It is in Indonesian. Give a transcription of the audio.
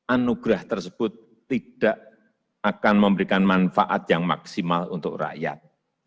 anugerah tersebut tidak akan memberikan manfaat yang maksimal untuk rakyat